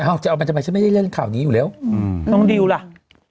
จะเอามันทำไมฉันไม่ได้เล่นข่าวนี้อยู่แล้วน้องดิวล่ะ